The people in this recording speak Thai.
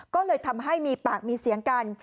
ก็เลยทำให้มีปากมีเสียงกัน